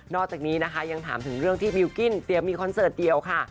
อกจากนี้นะคะยังถามถึงเรื่องที่บิลกิ้นเตรียมมีคอนเสิร์ตเดียวค่ะ